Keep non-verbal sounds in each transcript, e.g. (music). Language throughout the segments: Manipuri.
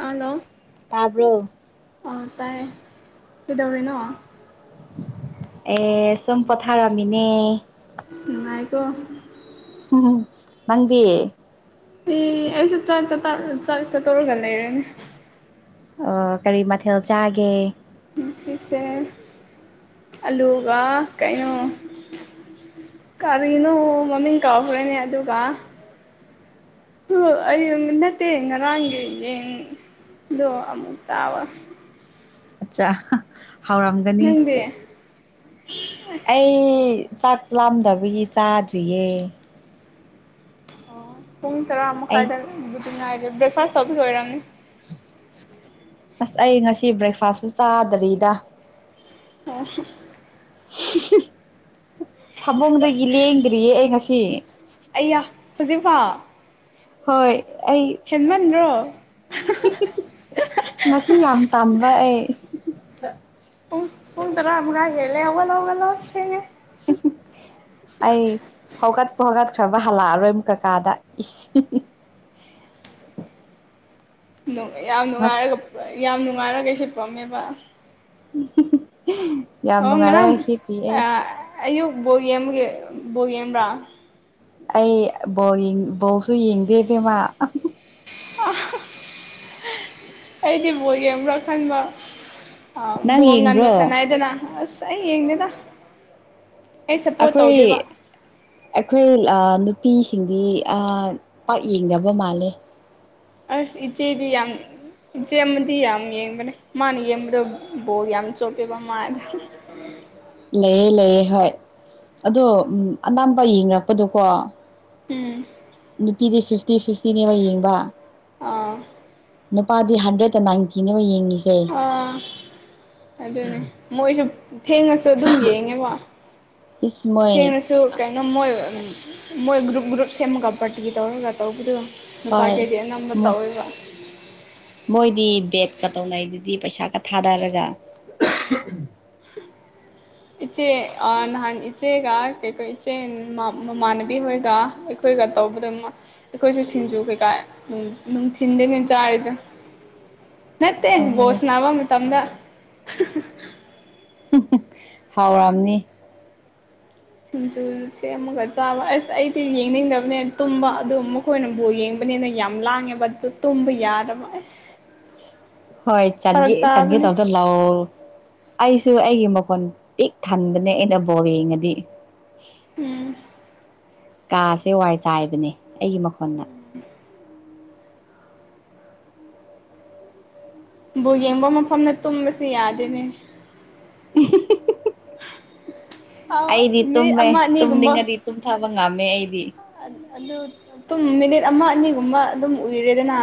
ꯍꯜꯂꯣ ꯇꯥꯕ꯭ꯔꯣ ꯑꯣ ꯇꯥꯏ ꯀꯩꯗꯧꯔꯤꯅꯣ ꯑꯦ ꯁꯨꯝ ꯄ‌ꯣꯊꯥꯔꯝꯃꯤꯅꯦ ꯅꯨꯉꯥꯏꯀ‌ꯣ ꯎꯝ ꯅꯪꯗꯤ ꯑꯦ ꯑꯩꯁꯨ ꯆꯠꯇꯧꯔꯒ (unintelligible) ꯂꯩꯔꯦꯅꯦ ꯑ‌ꯣ ꯀꯔꯤ ꯃꯊꯦꯜ ꯆꯥꯒꯦ ꯉꯁꯤꯁꯦ ꯑꯂꯨꯒ ꯀꯩꯅꯣ ꯀꯔꯤꯅꯣ ꯃꯃꯤꯡ ꯀꯥꯎꯈ꯭ꯔꯅꯦ ꯑꯗꯨꯒ ꯑꯣ ꯑꯩ ꯅꯠꯇꯦ ꯉꯔꯥꯡꯒꯤꯅꯦ ꯗꯣ ꯑꯃꯨꯛ ꯆꯥꯕ ꯑꯠꯆꯥ ꯍꯥꯎꯔꯝꯒꯅꯤ ꯅꯪꯗꯤ ꯑꯁ ꯑꯩ ꯆꯥꯛ ꯂꯥꯝꯗꯕꯒꯤ ꯆꯥꯗ꯭ꯔꯤꯌꯦ ꯑꯣ ꯄꯨꯡ ꯇꯔꯥ ꯑꯩ ꯃꯈꯥꯏꯗꯕꯨꯗꯤ ꯉꯥꯏꯔꯦ ꯕ꯭ꯔꯦꯛꯐꯥꯁ ꯇꯧ ꯑꯣꯏꯔꯝꯅꯤ꯫ ꯑꯁ ꯑꯩ ꯉꯁꯤ ꯕ꯭ꯔꯦꯛꯐꯥꯁꯁꯨ ꯆꯥꯗꯔꯤꯗ (unintelligible) ꯐꯥꯃꯨꯡꯗꯒꯤ ꯂꯦꯡꯗ꯭ꯔꯤꯌꯦ ꯑꯩ ꯉꯁꯤ ꯑꯩꯌꯥ ꯍꯧꯖꯤꯛꯐꯎ ꯍꯣꯏ ꯑꯩ ꯍꯦꯟꯃꯟ꯭ꯗꯔꯣ ꯉꯁꯤ ꯌꯥꯝ ꯇꯝꯕ ꯑꯩ ꯄꯨꯡ ꯄꯨꯡ ꯇꯔ ꯃꯈꯥꯏ ꯍꯦꯜꯂꯦ ꯍꯧꯒꯠꯂꯣ ꯍꯧꯒꯥꯠꯂꯣ ꯊꯦꯡꯒꯦ (unintelligible) ꯑꯩ ꯍꯧꯒꯠꯄ ꯍꯧꯒꯠꯈ꯭ꯔꯕ ꯍꯜꯂꯛꯑꯔꯣꯏ ꯀꯀꯥꯗ ꯌꯥꯝ ꯅꯨꯡꯉꯥꯏꯔꯒ ꯌꯥꯝ ꯅꯨꯡꯉꯥꯏꯔꯒ ꯍꯤꯞꯄꯥꯝꯃꯦꯕ ꯌꯥꯝ ꯑꯣ ꯅꯨꯡꯉꯥꯏꯔꯒꯥ ꯉꯔꯥꯡ ꯍꯤꯞꯄꯤ ꯑꯩ ꯑꯌꯨꯛ ꯕꯣꯜ ꯌꯦꯡꯕ ꯒꯤ ꯕꯣꯜ ꯌꯦꯡꯕ꯭ꯔꯥ ꯑꯩ ꯕꯣꯜ ꯕꯣꯜꯁꯨ ꯌꯦꯡꯗꯦꯕꯦꯝꯃꯥ ꯑꯩꯗꯤ ꯕꯣꯜ ꯌꯦꯡꯕ꯭ꯔꯥ ꯈꯟꯕ ꯑ ꯅꯪ ꯕꯣꯡ ꯉꯥꯟ ꯌꯦꯡꯕ꯭ꯔꯣ ꯁꯅꯥꯏꯗꯅ ꯑꯁ ꯑꯩ ꯌꯦꯡꯗꯦꯗ ꯑꯩ ꯁꯞꯄꯣꯔꯠ ꯑꯩꯈꯣꯏ ꯇꯧꯗꯦꯕ ꯑꯩꯈꯣꯏ ꯑꯥ ꯅꯨꯄꯤꯁꯤꯡꯗꯤ ꯑꯥ ꯄꯥꯛ ꯌꯦꯡꯗꯕ ꯃꯥꯜꯂꯦ ꯑꯁ ꯏꯆꯦꯗꯤ ꯌꯥꯝ ꯏꯆꯦꯑꯃꯥꯗꯤ ꯌꯥꯝ ꯌꯦꯡꯕꯅꯦ ꯃꯥꯅ ꯌꯦꯡꯕꯗꯣ ꯕꯣꯜ ꯌꯥꯝ ꯆꯣꯞꯄꯦꯕ ꯃꯥꯗ ꯂꯩꯑꯦ ꯂꯩꯑꯦ ꯍꯣꯏ ꯑꯗꯣ ꯑꯅꯥꯝꯕ ꯌꯦꯡꯔꯛꯄꯗꯨꯀꯣ ꯎꯝ ꯅꯨꯄꯤꯗꯤ ꯐꯤꯐꯇꯤ ꯐꯤꯐꯇꯤꯅꯦꯕ ꯌꯦꯡꯕ ꯑꯥ ꯅꯨꯄꯥꯗꯤ ꯍꯟꯗ꯭ꯔꯦꯠꯇ ꯅꯥꯏꯟꯇꯤꯅꯦꯕ ꯌꯦꯡꯉꯁꯤ ꯑꯥ ꯑꯗꯨꯅꯦ ꯃꯣꯏꯁꯨ ꯊꯦꯡꯉꯁꯨ ꯑꯗꯨꯝ ꯌꯦꯡꯉꯦꯕ ꯏꯁꯃꯣꯏ ꯊꯦꯡꯅꯁꯨ ꯀꯩꯅꯣ ꯃꯣꯏ ꯃꯣꯏ ꯒ꯭ꯔꯨꯞ ꯒ꯭ꯔꯨꯞ ꯁꯦꯝꯃꯒ ꯄꯔꯇꯤ ꯇꯧꯔꯒ ꯇꯧꯕꯗꯣ ꯍꯣꯏ ꯅꯨꯄꯥꯒꯩꯗꯤ ꯑꯅꯝꯕ ꯇꯧꯋꯦꯕ ꯃꯣꯏꯗꯤ ꯕꯦꯠꯀ ꯇꯧꯅꯩꯗꯨꯗꯤ ꯄꯩꯁꯥꯒ ꯊꯥꯗꯔꯒ ꯏꯆꯦ ꯅꯍꯥꯟ ꯏꯆꯦꯒ ꯀꯩꯀꯣꯏ ꯏꯆꯦ ꯃꯃꯥꯟꯅꯕꯤ ꯍꯣꯏꯒ ꯑꯩꯈꯣꯏꯒ ꯇꯧꯕꯗ ꯃꯥ ꯑꯩꯈꯣꯏꯁꯨ ꯁꯤꯡꯖꯨ ꯀꯩꯀꯥ ꯅꯨꯡꯊꯤꯟꯗꯅꯦ ꯆꯥꯔꯤꯗ ꯅꯠꯇꯦ ꯕꯣꯜ ꯑꯣ ꯁꯟꯅꯥꯕ ꯃꯇꯝꯗ ꯍꯥꯎꯔꯝꯅꯤ ꯁꯤꯡꯖꯨ ꯁꯦꯝꯃꯒ ꯆꯥꯕ ꯑꯁ ꯑꯩꯗꯤ ꯌꯦꯡꯅꯤꯡꯗꯕꯅꯦ ꯇꯨꯝꯕ ꯑꯗꯨ ꯑꯃꯨꯛ ꯑꯩꯈꯣꯏꯅ ꯕꯣꯜ ꯌꯦꯡꯕꯅꯤꯅ ꯌꯥꯝ ꯂꯥꯡꯉꯦꯕ ꯑꯗꯨ ꯇꯨꯝꯕ ꯌꯥꯗꯕ ꯑꯁ ꯍꯣꯏ ꯆꯟꯒꯦ ꯐꯔꯛ ꯆꯟꯒꯦ ꯇꯥꯕꯅꯤ ꯇꯧꯕꯗꯣ ꯂꯧ ꯑꯩꯁꯨ ꯑꯩꯒꯤ ꯃꯈꯣꯟ ꯄꯤꯛ ꯊꯟꯕꯅꯦ ꯑꯩꯅ ꯕꯣꯔ ꯌꯦꯡꯉꯗꯤ ꯎꯝ ꯀꯥꯁꯦ ꯋꯥꯏ ꯆꯥꯏꯕꯅꯦ ꯑꯩꯒꯤ ꯃꯈꯣꯟꯗ (unintelligible) ꯕꯣꯜ ꯌꯦꯡꯕ ꯃꯐꯝꯗ ꯇꯨꯝꯕꯁꯤ ꯌꯥꯗꯦꯅꯦ (unintelligible) ꯑꯥ ꯑꯩꯗꯤ ꯃꯤꯅꯤꯠ ꯇꯨꯝꯃꯦ ꯑꯃ ꯑꯅꯤꯒꯨꯝꯕ ꯇꯨꯝꯅꯤꯡꯉꯗꯤ ꯇꯨꯝꯊꯕ ꯉꯝꯃꯦ ꯑꯩꯗꯤ ꯑꯗꯨ ꯑꯗꯨꯨꯝ ꯃꯤꯅꯤꯠ ꯑꯃ ꯑꯅꯤꯒꯨꯝꯕ ꯑꯗꯨꯝ ꯎꯏꯔꯦꯗꯅ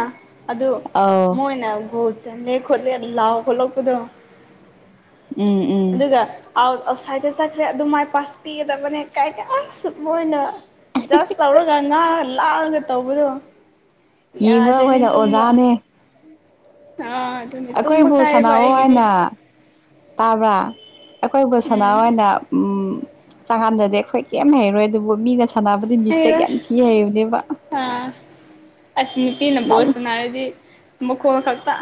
ꯑꯗꯨ ꯑꯧ ꯃꯣꯏꯅ ꯒꯣꯜ ꯆꯜꯂꯦ ꯈꯣꯠꯂꯦ ꯂꯥꯎ ꯈꯣꯠꯂꯛꯄꯗꯣ ꯎꯝ ꯎꯝ ꯑꯗꯨꯒ ꯑꯥꯎꯠ ꯑꯥꯎꯠꯁꯥꯏꯗꯠꯇ ꯆꯠꯈ꯭ꯔꯦ ꯑꯗꯨ ꯃꯥꯏ ꯄꯥꯁ ꯄꯤꯒꯗꯕꯅꯦ ꯀꯥꯏ ꯑꯁ ꯃꯣꯏꯅ ꯖꯁ ꯇꯧꯔꯒ ꯉꯥꯒ ꯂꯥꯛꯑꯒ ꯇꯧꯕꯗꯣ ꯌꯦꯡꯕ ꯌꯥꯗ꯭ꯔꯦꯅꯦ ꯑꯩꯈꯣꯏꯅ ꯇꯨꯝꯕ ꯑꯣꯖꯥꯅꯦ ꯑꯥ ꯑꯗꯨꯅꯦ ꯑꯩꯈꯣꯏ ꯇꯨꯝꯕ ꯕꯣꯜ ꯀꯥꯏꯌꯦꯕ ꯁꯥꯟꯅꯑꯣ ꯑꯩꯒꯤꯗꯤ ꯍꯥꯏꯅ ꯇꯥꯕ꯭ꯔꯥ ꯑꯩꯈꯣꯏ ꯕꯣꯜ ꯎꯝ ꯁꯅꯥꯅ ꯎꯝ ꯆꯪꯍꯥꯟꯖꯗꯦ ꯑꯩꯈꯣꯏ ꯀꯩꯝ ꯍꯩꯔꯣꯏ ꯑꯗꯨꯕꯨ ꯃꯤꯅ ꯁꯥꯟꯅꯕꯗ ꯑꯗꯨ ꯃꯤꯕꯤꯁꯇ ꯍꯩꯔꯣꯏ ꯀ ꯊꯤ ꯍꯥꯏꯎꯗꯦꯕ ꯑꯥ ꯑꯁ ꯅꯨꯄꯤꯅ ꯕꯣꯜ ꯁꯅꯥꯔꯗꯤ ꯃꯈꯣꯜ ꯈꯛꯇ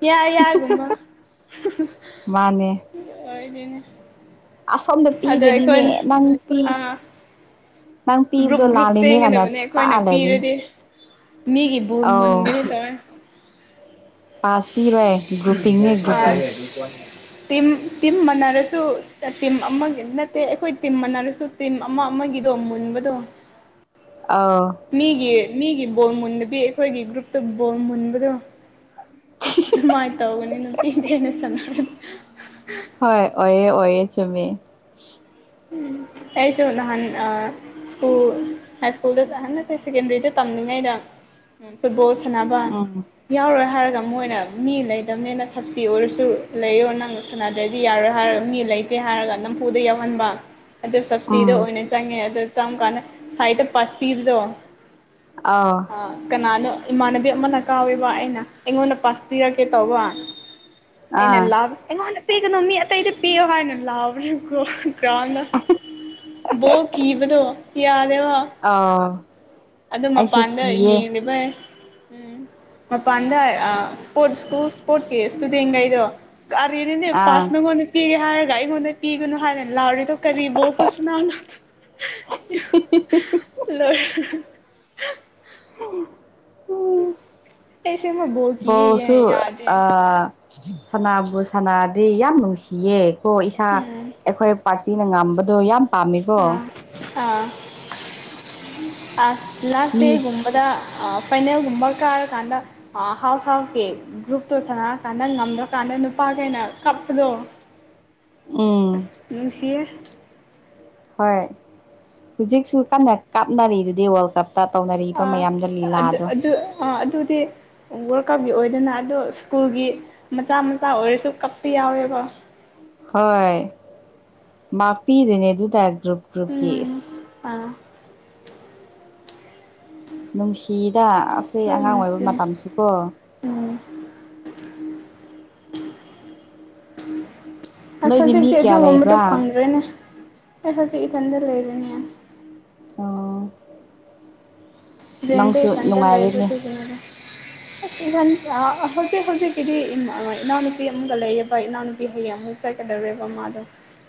ꯌꯥ ꯌꯥꯒꯨꯝꯕ ꯃꯥꯅꯦ ꯑꯣꯏꯗꯣꯏꯅꯦ ꯑꯁꯣꯝꯗ ꯑꯗ ꯄꯤꯗꯣꯏꯅꯤꯅꯦ ꯑꯩꯈꯣꯏꯅ ꯅꯪ ꯄꯤ ꯑ ꯅꯪ ꯒ꯭ꯔꯨꯞ ꯄꯤꯕꯗꯣ ꯒ꯭ꯔꯨꯞ ꯂꯥꯜꯂꯤꯅꯦ ꯀꯥꯏꯅ ꯆꯦꯟꯒꯗꯕꯅꯤ ꯇꯥꯛꯑ ꯑꯩꯈꯣꯏꯅ ꯂꯩꯗꯣꯏꯅꯦ ꯄꯤꯔꯗꯤ ꯃꯤꯒꯤ ꯕꯨꯜ ꯑꯧ ꯃꯨꯟꯒꯅꯤ ꯇꯧꯋꯦ ꯄꯥꯁ ꯄꯤꯔꯣꯏ ꯒ꯭ꯔꯨꯄꯤꯡꯅꯤ ꯑꯥ ꯒ꯭ꯔꯨꯞꯤꯡ ꯇꯤꯝ ꯇꯤꯝ ꯃꯥꯟꯅꯔꯁꯨ ꯇꯤꯝ ꯑꯃꯒꯤ ꯅꯠꯇꯦ ꯑꯩꯈꯣꯏ ꯇꯤꯝ ꯃꯥꯟꯅꯔꯁꯨ ꯇꯤꯝ ꯑꯃ ꯑꯃꯒꯤꯗꯣ ꯃꯨꯟꯕꯗꯣ ꯑꯥꯎ ꯃꯤꯒꯤ ꯃꯤꯒꯤ ꯕꯣꯜ ꯃꯨꯟꯗꯕꯤ ꯑꯩꯈꯣꯏꯒꯤ ꯒ꯭ꯔꯨꯞꯇ ꯕꯣꯜ ꯃꯨꯟꯕꯗꯣ ꯃꯥꯏꯅ ꯇꯧꯒꯅꯤ ꯅꯨꯄꯤꯒꯤ ꯑꯩꯅ ꯁꯥꯟꯅꯔꯗꯤ ꯍꯣꯏ ꯑꯣꯌꯦ ꯑꯣꯏꯌꯦ ꯆꯃꯤ ꯎꯝ ꯑꯩꯁꯨ ꯅꯍꯥꯟ ꯑ ꯁ꯭ꯀꯨꯜ ꯍꯥꯏ ꯁ꯭ꯀꯨꯜꯗ ꯍꯟ ꯅꯠꯇꯦ ꯁꯦꯀꯦꯟꯗ꯭ꯔꯤꯗ ꯇꯝꯂꯤꯉꯩꯗ ꯐꯨꯠꯕꯣꯜ ꯁꯥꯟꯅꯕ ꯎꯝ ꯌꯥꯎꯔꯣꯏ ꯍꯥꯏꯔꯒ ꯃꯣꯏꯅ ꯃꯤ ꯂꯩꯇꯕꯅꯤꯅ ꯁꯞꯁꯇꯤ ꯑꯣꯏꯔꯁꯨ ꯂꯩꯌꯣ ꯅꯪꯁꯨ ꯁꯅꯗ꯭ꯔꯗꯤ ꯌꯥꯔꯣꯏ ꯍꯥꯏꯔꯒ ꯃꯤ ꯂꯩꯇꯦ ꯍꯥꯏꯔꯒ ꯅꯝꯐꯨꯗ ꯌꯥꯎꯍꯟꯕ ꯑꯗꯨ ꯁꯞꯁꯇꯤꯗ ꯎꯝ ꯑꯣꯏꯅ ꯆꯪꯉꯦ ꯑꯗꯨ ꯆꯪꯀꯥꯟꯗ ꯁꯥꯏꯠꯇ ꯄꯁ ꯄꯤꯕꯗꯣ ꯑꯥ ꯀꯅꯥꯅꯣ ꯏꯃꯥꯟꯅꯕꯤ ꯑꯃꯅ ꯀꯥꯎꯋꯦꯕ ꯑꯩꯅ ꯑꯩꯉꯣꯟꯗ ꯄꯥꯁ ꯄꯤꯔꯛꯀꯦ ꯇꯧꯕ ꯑꯩꯅ ꯑꯥ ꯂꯥꯐ ꯑꯩꯉꯣꯟꯗ ꯄꯤꯒꯅꯨ ꯃꯤ ꯑꯇꯩꯗ ꯄꯤꯌꯣ ꯍꯥꯏꯅ ꯂꯥꯎꯕꯅꯤꯕꯀꯣ ꯀ꯭ꯔꯥꯎꯗꯣ ꯕꯣꯜ ꯀꯤꯕꯗꯣ ꯌꯔꯦꯕ ꯑꯥ ꯑ ꯃꯄꯥꯟꯗ ꯌꯦꯡꯂꯤꯕꯩ ꯎꯝ ꯃꯄꯥꯟꯗ ꯁꯄꯣꯔꯠ ꯁꯀꯨꯜ ꯁꯄꯣꯔꯠ ꯀꯤ ꯁꯇꯨꯗꯦꯟ ꯒꯩꯗꯣ ꯑꯔꯤꯔꯦꯅ ꯑꯥ ꯄꯥꯁ ꯅꯪꯅꯣꯟꯗꯤ ꯄꯤꯒꯦ ꯍꯥꯏꯔꯒ ꯑꯩꯉꯣꯟꯗ ꯄꯤꯒꯅꯨ ꯍꯥꯏꯔꯅ ꯂꯥꯎꯔꯤꯗꯣ ꯀꯔꯤꯕꯣꯜ ꯍꯨꯁꯅꯥ ꯂꯔ ꯎꯝ ꯑꯦꯁꯤ ꯃ ꯕꯣꯜ ꯀꯤꯌꯦ ꯕꯣꯜꯁꯨ ꯌꯥꯏ ꯌꯥꯗꯦ ꯑꯥ ꯁꯅꯥꯕꯨ ꯁꯅꯔꯗꯤ ꯌꯥꯝ ꯅꯨꯡꯁꯤꯌꯦ ꯀꯣ ꯏꯁꯥ ꯎꯝ ꯑꯩꯈꯣꯏ ꯄꯥꯔꯇꯤꯅ ꯉꯝꯕꯗꯣ ꯌꯥꯝ ꯄꯥꯝꯃꯦꯀꯣ ꯑꯥ ꯑꯥ ꯑꯁ ꯂꯥꯁꯗꯦ ꯃꯤ ꯒꯨꯝꯕꯗ ꯑ ꯄꯩꯅꯦꯜꯒꯨꯝꯕ ꯀꯥꯔ ꯀꯥꯟꯗ ꯍꯥꯎꯁ ꯍꯥꯎꯁꯀꯤ ꯒ꯭ꯔꯨꯞꯇꯣ ꯁꯪꯅꯑꯀꯥꯟꯗ ꯉꯝꯗ꯭ꯔꯀꯥꯟꯗ ꯅꯨꯄꯥꯈꯩꯅ ꯀꯞꯄꯗꯣ (unintelligible) ꯎꯝ ꯅꯨꯡꯁꯤꯌꯦ ꯍꯣꯏ ꯍꯧꯖꯤꯛꯁꯨ ꯀꯟꯅ ꯀꯥꯞꯅꯔꯤꯗꯨꯗꯤ ꯋꯥꯔꯜ ꯀꯞ ꯇ ꯇꯧꯅꯔꯤꯕ ꯑꯥ ꯃꯌꯥꯝꯗꯣ ꯑꯗꯨ ꯂꯤꯂꯥꯗꯣ ꯑꯗꯨ ꯑꯥ ꯑꯗꯨꯗꯤ ꯋꯥꯔꯜ ꯀꯞꯀꯤ ꯑꯣꯏꯗꯅ ꯑꯗꯣ ꯁ꯭ꯀꯨꯜꯒꯤ ꯃꯆꯥ ꯃꯆꯥ ꯑꯣꯏꯔꯁꯨ ꯀꯞꯄ ꯌꯥꯎꯋꯦꯕ ꯍꯣꯏ ꯃꯥꯛ ꯄꯤꯗꯣꯏꯅꯦ ꯗꯨꯗ ꯒ꯭ꯔꯨꯞꯀꯤ ꯎꯝ ꯑꯥ ꯅꯨꯡꯁꯤꯗ ꯑꯩꯈꯣꯏ ꯍꯣꯏ ꯑꯉꯥꯡ ꯅꯨꯡꯁꯤ ꯑꯣꯏꯕ ꯃꯇꯝꯁꯨ ꯀꯣ꯫ ꯎꯝ꯫ ꯑꯁ ꯅꯣꯏꯗꯤ ꯃꯤ ꯍꯧꯖꯤꯛꯇꯤ ꯀꯌꯥ ꯑꯗꯨꯒꯨꯝꯕꯗꯣ ꯂꯩꯕ꯭ꯔꯥ ꯐꯪꯗ꯭ꯔꯦꯅꯦ ꯑꯩ ꯍꯧꯖꯤꯛ ꯏꯊꯟꯗ ꯂꯩꯔꯦꯅꯦ꯫ ꯎꯝ ꯔꯦꯟꯗ ꯏꯊꯟꯇ ꯅꯨꯡꯉꯥꯏꯔꯤꯅꯦ ꯂꯩꯕꯗꯨ (unintelligible) (unintelligible) ꯍꯧꯖꯤꯛ ꯍꯧꯖꯤꯛꯀꯤꯗꯤ ꯏꯅꯥꯎꯅꯨꯄꯤ ꯑꯃꯒ ꯂꯩꯌꯦꯕ ꯏꯅꯥꯎꯅꯨꯄꯤ ꯍꯌꯦꯡ ꯑꯃꯨꯛ ꯆꯠꯀꯗꯧꯔꯦꯕ ꯃꯥꯗꯣ꯫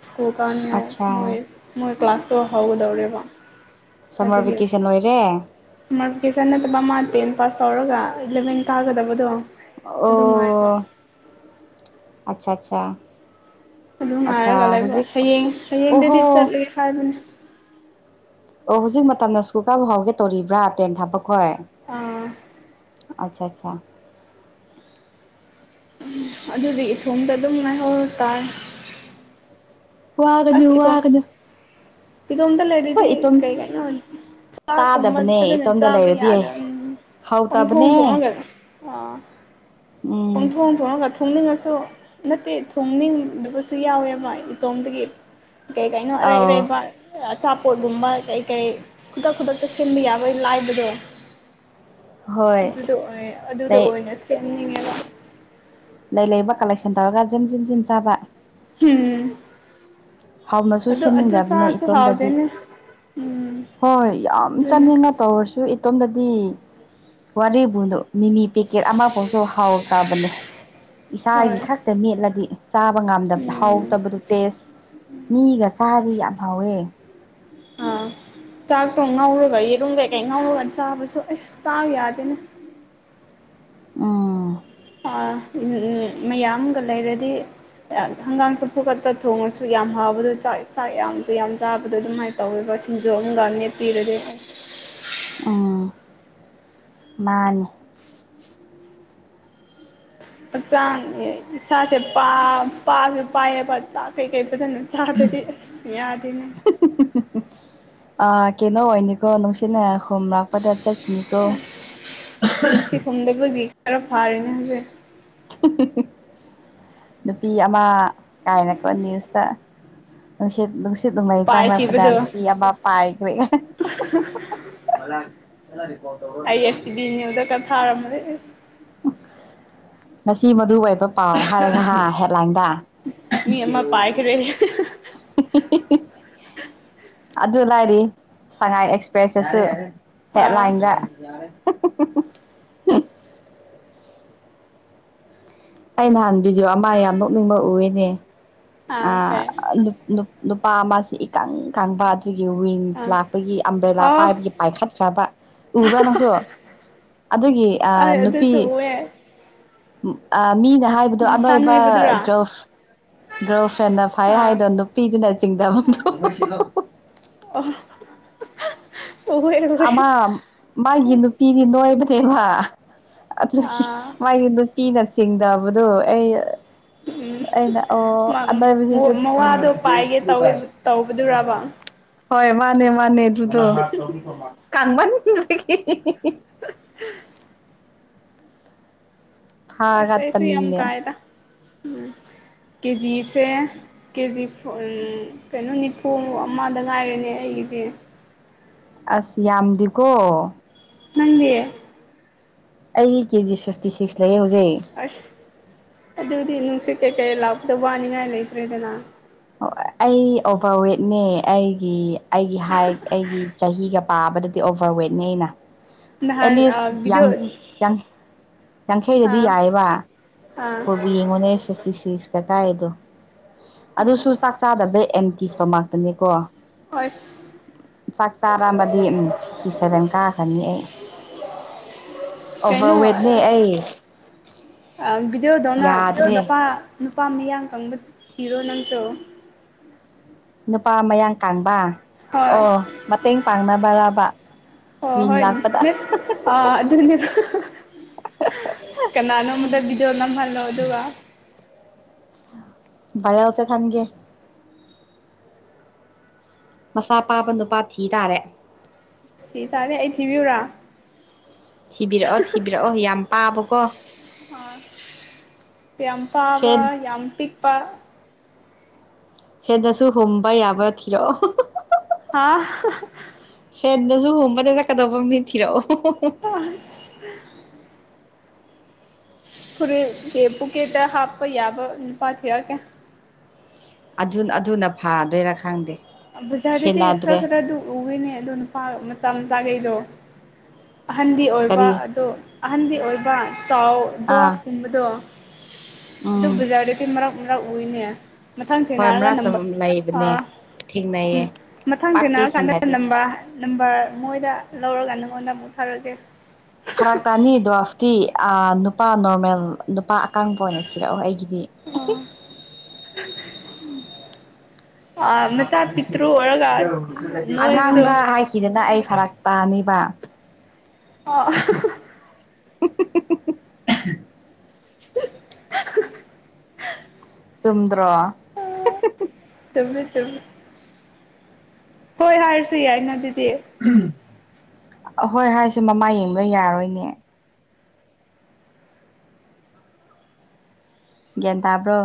ꯁ꯭ꯀꯨꯜ ꯀꯥꯅꯤꯡꯉꯥꯏ ꯃꯣꯏ ꯑꯠꯆꯥ ꯃꯣꯏ ꯀ꯭ꯂꯥꯁꯇꯣ ꯍꯧꯒꯗꯧꯔꯦꯕ ꯁꯝꯃꯔ ꯚꯦꯀꯦꯁꯟ ꯂꯣꯏꯔꯦ꯫ ꯁꯃꯥꯔꯕꯀꯦꯁꯟ ꯅꯠꯇꯕ ꯑꯃ ꯇꯦꯟ ꯄꯥꯁ ꯇꯧꯔꯒ ꯏꯂꯚꯦꯟ ꯀꯥꯒꯗꯕꯗꯣ꯫ ꯑꯗꯨ ꯉꯥꯏꯕ ꯑꯣ ꯑꯆꯥ ꯆꯥ ꯑꯗꯨ ꯉꯥꯏꯔꯒ ꯂꯩꯕ ꯍꯌꯦꯡ ꯑꯣꯍꯣ ꯍꯌꯦꯡꯗꯗꯤ ꯆꯠꯂꯦ ꯍꯥꯏꯕꯅꯤ꯫ ꯑꯣ ꯍꯧꯖꯤꯛ ꯃꯇꯝꯅ ꯁ꯭ꯀꯨꯜ ꯀꯥꯕ ꯐꯥꯎꯒꯦ ꯇꯧꯔꯤꯕ꯭ꯔꯥ ꯇꯦꯟ ꯊꯥꯄꯈꯣꯏ꯫ ꯑꯥ ꯑꯆꯥ ꯑꯆꯥ ꯎꯝ ꯑꯗꯨꯗꯤ ꯏꯊꯣꯡꯗ ꯑꯗꯨꯝ ꯉꯥꯏꯍꯧ ꯇꯔꯦ꯫ ꯑꯁ ꯋꯥꯒꯅꯨ ꯏꯇꯣꯝ ꯋꯥꯒꯅꯨ ꯏꯇꯣꯝꯇ ꯍꯣꯏ ꯂꯩꯔꯤꯗꯤ ꯏꯇꯣꯝ ꯀꯩ ꯀꯩꯅꯣ ꯆꯥꯛꯀꯨꯝꯕ ꯆꯥꯗꯕꯅꯦ ꯐꯖꯅ ꯏꯇꯣꯝꯗ ꯆꯥꯕ ꯂꯩꯔꯗꯤ ꯌꯥꯗꯕꯝ ꯄꯪ ꯊꯣꯡ ꯍꯥꯎꯇꯕꯅꯦ ꯊꯣꯡꯅꯒꯗ ꯑꯥ ꯎꯝ ꯄꯣꯡꯊꯣꯡ ꯊꯣꯡꯉꯒ ꯊꯣꯡꯅꯤꯡꯉꯁꯨ ꯅꯠꯇꯦ ꯊꯣꯡꯅꯤꯡꯗꯕꯁꯨ ꯌꯥꯎꯋꯦꯕ ꯏꯇꯣꯝꯗꯒꯤ꯫ ꯀꯩ ꯀꯩꯅꯣ ꯑꯔꯩ ꯑꯧ ꯑꯔꯩꯕ꯫ ꯑꯆꯥꯄꯣꯠꯒꯨꯝꯕ ꯀꯩꯀꯩ ꯈꯨꯗꯛ ꯈꯨꯗꯛꯇ ꯁꯦꯝꯕ ꯌꯥꯕꯒꯤ ꯂꯥꯏꯕꯗꯣ꯫ ꯍꯣꯏ ꯑꯗꯨꯗ ꯑꯣꯏ ꯑꯗꯨꯗ ꯂꯩ ꯑꯣꯏꯅ ꯁꯦꯝꯅꯤꯡꯉꯦꯕ꯫ ꯂꯩ ꯂꯩꯕ ꯀꯂꯦꯛꯁꯟ ꯇꯧꯔꯒꯖꯤꯟ ꯖꯤꯟꯁꯤꯟ ꯆꯥꯕ ꯍꯨꯝ꯫ ꯍꯥꯎꯅꯁꯨ ꯁꯦꯝꯅꯤꯡꯗꯕꯅꯦ ꯆꯥꯔꯁꯨ ꯏꯇꯣꯝꯗꯗꯤ ꯍꯥꯎꯗꯦꯅꯦ ꯎꯝ ꯍꯣꯏ ꯌꯥꯝ ꯑꯗꯨꯅꯦ ꯆꯥꯅꯤꯡꯉ ꯇꯧꯔꯁꯨ ꯏꯇꯣꯝꯝꯕꯗꯤ ꯋꯥꯔꯤꯕꯨꯗꯣ꯫ ꯃꯤꯃꯤ ꯄꯦꯛꯀꯦꯠ ꯑꯃꯐꯥꯎꯁꯨ ꯍꯥꯎꯇꯕꯅꯦ꯫ ꯏꯁꯥꯒꯤ ꯍꯣꯏ ꯈꯛꯇ ꯃꯦꯠꯂꯗꯤ ꯆꯥꯕ ꯉꯝꯗꯕ ꯎꯝ ꯍꯥꯎꯇꯕꯗꯨ ꯇꯦꯁ꯫ ꯃꯤꯒ ꯆꯥꯗꯤ ꯌꯥꯝ ꯍꯥꯎꯋꯦ꯫ ꯑꯥ꯫ ꯆꯥꯛꯇꯣ ꯉꯧꯔꯒ ꯌꯦꯔꯨꯝ ꯀꯩꯀꯩ ꯉꯧꯔꯒ ꯆꯥꯕꯁꯨ ꯑꯩꯁ ꯆꯥꯕ ꯌꯥꯗꯦꯅꯦ ꯎꯝ꯫ ꯑ ꯃꯌꯥꯝꯒ ꯂꯩꯔꯗꯤ꯫ ꯍꯪꯒꯥꯝ ꯆꯝꯐꯨ ꯈꯛꯇ ꯊꯣꯡꯉꯁꯨ ꯌꯥꯝ ꯍꯕꯗꯣ ꯆꯥꯛ ꯆꯥꯛ ꯌꯥꯝꯁꯨ ꯌꯥꯝ ꯆꯥꯕꯗꯣ ꯑꯗꯨꯃꯥꯏꯅ꯫ ꯇꯧꯔꯤꯕ ꯁꯤꯡꯖꯣꯝꯒ ꯅꯦꯞꯄꯤꯔꯗꯤ꯫ ꯎꯝ ꯃꯥꯅꯤ꯫ ꯍꯆꯥꯡ ꯏꯁꯥꯁꯦ ꯄꯥꯁꯨ ꯄꯥꯏꯌꯦꯕ ꯆ ꯀꯩꯀꯩ ꯐꯖꯅ ꯆꯥꯗ꯭ꯔꯗꯤ ꯌꯥꯗꯦꯅꯦ꯫ ꯀꯩꯅꯣ ꯑꯣꯏꯅꯤꯀꯣ ꯅꯨꯡꯁꯤꯠꯅ ꯍꯣꯝ ꯂꯥꯛꯄꯗ ꯆꯠꯈꯤꯅꯤ꯫ ꯑꯁ ꯅꯨꯡꯁꯤ ꯍꯣꯝꯗꯕꯒꯤ ꯈꯔ ꯐꯥꯔꯅꯦ ꯍꯧꯖꯤꯛ ꯅꯨꯄꯤ ꯑꯃ ꯀꯥꯏꯅꯀꯣ ꯅ꯭ꯌꯨꯁꯇ꯫ ꯅꯨꯡꯁꯤꯠ ꯅꯨꯡꯁꯤꯠ ꯅꯨꯡꯃꯩ ꯆꯥꯡꯅꯔꯛꯄꯗ ꯄꯥꯏꯈꯤꯕꯗꯣ ꯅꯨꯄꯤ ꯑꯃ ꯄꯥꯏꯈ꯭ꯔꯦ (unintelligible) ꯕꯤ ꯅ꯭ꯌꯨꯗꯀ ꯊꯥꯔꯝꯃꯗꯤ ꯏꯁ ꯉꯁꯤ ꯃꯔꯨ ꯑꯣꯏꯕ ꯄꯥꯎ ꯍꯥꯏꯔꯦ ꯅꯍꯥ ꯍꯦꯠꯂꯥꯏꯟ꯫ ꯋꯥ ꯃꯤ ꯑꯃ ꯄꯥꯏꯈ꯭ꯔꯦ (unintelligible) ꯑꯗꯨ ꯂꯩꯔꯤ ꯁꯉꯥꯏ ꯑꯦꯛꯁꯄ꯭ꯔꯦꯁꯇꯁꯨ ꯑꯥ ꯍꯦꯠꯂꯥꯏꯟꯗ꯫ ꯑꯩ ꯅꯍꯥꯟ ꯚꯤꯗꯤꯑꯣ ꯑꯃ ꯌꯥꯝ ꯅꯣꯛꯅꯤꯡꯕ ꯎꯏꯅꯦ꯫ ꯑꯥ ꯑ ꯀꯩ ꯅꯨꯄꯥ ꯑꯃꯁꯤ ꯏꯀꯪ ꯈꯪꯕ ꯑꯗꯨꯒꯤ ꯋꯤꯟꯁ ꯑꯥ ꯂꯥꯛꯄꯒꯤ ꯑꯝꯕ꯭ꯔꯦꯂꯥ ꯑꯣ ꯄꯥꯏꯕꯒꯤ ꯄꯥꯏꯈꯠꯈ꯭ꯔꯕ ꯎꯕ꯭ꯔꯥ ꯅꯪꯁꯨ ꯑꯗꯨꯒꯤ ꯑꯩ ꯅꯨꯄꯤ ꯑꯗꯨꯁꯨ ꯎꯑꯦ ꯃꯤꯅ ꯍꯥꯏꯕ ꯃꯁꯥ ꯑꯅꯣꯏꯕ ꯅꯣꯏꯕꯗꯨꯔꯥ ꯭ꯔꯣ ꯒꯔꯜ ꯐ꯭ꯔꯦꯟꯅ ꯐꯩ ꯍꯥꯏꯗꯣ ꯅꯨꯄꯤꯗꯨꯅ ꯆꯤꯡꯗꯕ ꯑ ꯑꯃ ꯃꯥꯥꯏꯒꯤ ꯅꯨꯄꯤꯗꯤ ꯅꯣꯏꯕꯅꯦꯕ ꯑꯗꯨ ꯑꯥ ꯃꯥꯒꯤ ꯅꯨꯄꯤꯅ ꯆꯤꯡꯗꯕꯗꯣ ꯑꯩ ꯑꯩꯅ ꯑꯣ ꯑꯗ ꯎꯝ ꯃꯋꯥꯗꯣ ꯄꯥꯏꯒꯦ ꯇꯧꯋꯦ ꯇꯧꯕꯗꯨꯔꯕ ꯍꯣꯏ ꯃꯥꯅꯦ ꯃꯥꯅꯦ ꯑꯗꯨꯗꯣ ꯀꯥꯡꯕ (unintelligible) ꯑꯁꯁ ꯑꯃꯨ ꯊꯥꯒꯠꯄꯅꯦ ꯀꯑ ꯊꯝ ꯀ ꯖꯤꯁꯦ ꯀꯦꯖꯤ ꯀꯩꯅꯣ ꯅꯤꯐꯨ ꯑꯃꯗ ꯉꯥꯏꯔꯅꯦ ꯑꯩꯒꯤꯗꯤ ꯑꯁ ꯌꯥꯝꯗꯦꯀꯣ ꯅꯪꯅꯦ ꯑꯩ ꯀꯦꯖꯤ ꯐꯤꯞꯇꯤ ꯁꯤꯛꯁ ꯂꯩꯌꯦ ꯍꯧꯖꯤꯛ ꯑꯁ ꯑꯗꯨꯗꯤ ꯅꯨꯡꯁꯤꯠ ꯀꯩꯀꯩ ꯂꯥꯛꯄꯗ ꯋꯥꯅꯤꯡꯉꯥꯏ ꯂꯩꯇ꯭ꯔꯦꯗꯅ ꯑꯩ ꯑꯣꯚꯔꯋꯦꯠꯅꯦ ꯑꯩꯒꯤ ꯑꯩꯒꯤ ꯍꯥꯏ ꯑꯩꯒꯤ ꯆꯍꯤꯒ ꯄꯥꯕꯗꯗꯤ ꯑꯣꯚꯔꯋꯦꯠꯅꯦ ꯑꯩꯅ ꯅꯍꯥꯟ ꯑꯦꯠꯂꯤꯁ ꯌꯥꯡ ꯚꯤꯗꯤꯑꯣ ꯌꯥꯡ ꯌꯥꯡꯈꯩꯗꯗꯤ ꯑꯥ ꯌꯥꯏꯑꯦꯕ ꯑꯥ ꯄꯨꯕꯨ ꯌꯦꯡꯉꯣꯅꯦ ꯐꯤꯞꯇꯤ ꯁꯤꯁꯀ ꯀꯥꯏꯗꯣ ꯑꯗꯨꯁꯨ ꯆꯥꯛ ꯆꯥꯗꯕꯩ ꯑꯦꯝꯇꯤ ꯁ꯭ꯇꯣꯃꯥꯛꯇꯅꯦꯀꯣ ꯑꯁ ꯆꯥꯛ ꯆꯥꯔꯑꯝꯕꯗꯤ ꯐꯤꯞꯇꯤ ꯁꯚꯦꯟ ꯀꯥꯈ꯭ꯔꯅꯤ ꯑꯩ ꯀꯩꯅꯣ ꯑꯣꯚꯔꯋꯦꯠꯅꯦ ꯑꯩ ꯕꯤꯗꯤꯑꯣꯗꯧꯅ ꯌꯥꯗ꯭ꯔꯦ ꯅꯨꯄꯥ ꯅꯨꯄꯥ ꯃꯤꯌꯥꯝ ꯀꯪꯕ ꯊꯤꯔꯣ ꯅꯪꯁꯨ ꯅꯨꯄꯥ ꯃꯌꯥꯡ ꯀꯪꯕ ꯍꯣꯏ ꯑꯣ ꯃꯇꯦꯡ ꯄꯥꯡꯅꯕꯔꯕ ꯍꯣꯏ ꯃꯤꯟ ꯍꯣꯏ ꯂꯥꯛꯄꯗ ꯅꯠ ꯑꯥ ꯑꯗꯨꯗꯨ ꯀꯅꯥꯅꯣꯝꯃꯗ ꯕꯤꯗꯤꯑꯣ ꯅꯝꯍꯜꯂꯣ ꯑꯗꯨꯒ ꯚꯥꯏꯔꯦꯜ ꯆꯠꯍꯟꯒꯦ ꯃꯁꯥ ꯄꯥꯕ ꯅꯨꯄꯥ ꯊꯤ ꯇꯥꯔꯦ ꯊꯤꯇꯥꯔꯦ ꯑꯩ ꯊꯤꯕꯤꯌꯨꯨꯔꯥ ꯊꯤꯕꯤꯔꯛꯑꯣ ꯊꯤꯕꯤꯔꯛꯑꯣ ꯌꯥꯝ ꯄꯥꯕꯀꯣ ꯑ ꯌꯥꯝ ꯄꯥꯕ ꯐꯦꯟ ꯌꯥꯝ ꯄꯤꯛꯄꯥ ꯐꯦꯟꯗꯁꯨ ꯍꯨꯝꯕ ꯌꯥꯕ ꯊꯤꯔꯛꯑꯣ ꯍꯥ ꯐꯦꯟꯗꯁꯨ ꯍꯨꯝꯕꯗ ꯆꯠꯀꯗꯧꯕ ꯃꯤ ꯊꯤꯔꯛꯑꯣ ꯑꯁ ꯐꯔ ꯀꯦ ꯄꯨꯀꯦꯠꯇ ꯍꯥꯞꯄ ꯌꯥꯕ ꯅꯨꯄꯥ ꯊꯤꯔꯛꯀꯦ ꯑꯗꯨ ꯑꯗꯨꯅ ꯐꯔꯗꯣꯏꯔꯥ ꯈꯪꯗꯦ ꯕꯖꯥꯔꯗꯗꯤ ꯈꯔ ꯁꯦꯟꯅꯗ꯭ꯔꯦ ꯈꯔ ꯑꯗꯨ ꯎꯋꯦꯅꯦ ꯑꯗꯣ ꯅꯨꯄꯥ ꯃꯆꯥ ꯃꯆꯥꯈꯩꯗꯣ ꯑꯍꯟꯗꯤ ꯑꯣꯏꯕ ꯀꯔꯤ ꯑꯗꯣ ꯑꯍꯟꯗꯤ ꯑꯣꯏꯕ ꯆꯥꯎ ꯑꯥ ꯗ꯭ꯋꯥꯞꯀꯨꯝꯕꯗꯣ ꯑꯗꯨ ꯎꯝ ꯕꯖꯥꯔꯗꯗꯤ ꯃꯔꯛ ꯃꯔꯛ ꯎꯏꯅꯦ ꯃꯊꯪ ꯍꯣꯏ ꯊꯦꯡꯅꯔꯒ ꯃꯔꯛꯇ ꯅꯝꯕꯔ ꯑ ꯂꯩꯕꯅꯦ ꯊꯦꯡꯅꯩꯌꯦ ꯃꯊꯪ ꯄꯥꯛꯇꯤ ꯊꯦꯡꯅꯔꯀꯥꯟꯗ ꯊꯦꯡꯅꯗꯦ ꯅꯝꯕꯔ ꯅꯝꯕꯔ ꯃꯣꯏꯗ ꯂꯧꯔꯒ ꯅꯪꯉꯣꯟꯗ ꯑꯃꯨꯛ ꯊꯥꯔꯛꯀꯦ ꯐꯔꯥꯛ ꯇꯥꯅꯤ ꯗ꯭ꯋꯥꯞꯇꯤ ꯑꯥ ꯅꯨꯄꯥ ꯅꯣꯔꯃꯦꯜ ꯅꯨꯄꯥ ꯑꯀꯪꯕ ꯑꯣꯏꯅ ꯊꯤꯔꯛꯑꯣ ꯑꯩꯒꯤꯗꯤ ꯑꯣ ꯑ ꯃꯆꯥ ꯄꯤꯛꯇ꯭ꯔꯨ ꯑꯣꯔꯒ ꯅꯣꯏꯕꯗꯨ ꯀꯤꯗꯅ ꯑꯩ ꯐꯔꯛ ꯇꯥꯅꯤꯕ ꯑꯣ (unintelligible) (unintelligible) ꯆꯨꯝꯗ꯭ꯔꯣ ꯆꯨꯝꯃꯦ ꯆꯨꯝꯃꯦ ꯍꯣꯏ ꯍꯥꯏꯔꯁꯨ ꯌꯥꯏꯅ ꯑꯗꯨꯗꯤ ꯑ ꯍꯣꯏ ꯍꯥꯏꯔꯁꯨ ꯃꯃꯥꯏ ꯌꯦꯡꯕ ꯌꯥꯔꯣꯏꯅꯦ ꯒ꯭ꯌꯥꯟ ꯇꯥꯕ꯭ꯔꯣ